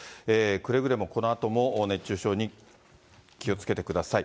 くれぐれもこのあとも熱中症に気をつけてください。